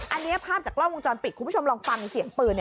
อันนี้ภาพจากกล้องวงจรปิดคุณผู้ชมลองฟังเสียงปืน